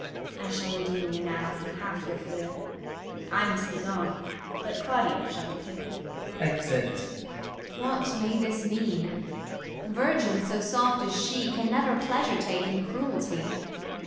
ISAB. I shall redeem you now from half your fear ; I must be gone, but Claudio shall appear. [Exit. Ang. Whatmay this mean'? Virgins so soft as she Can never pleasure take in cruelty.